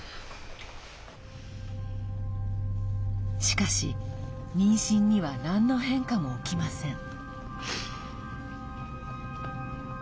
しかし、妊娠にはなんの変化も起きません。